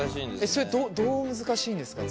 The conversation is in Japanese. それどう難しいんですか？